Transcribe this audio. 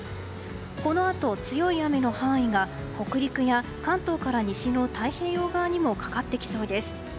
このあと強い雨の範囲が北陸や関東から西の太平洋側にもかかってきそうです。